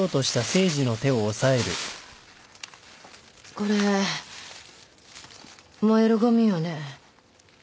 これ燃えるごみよね。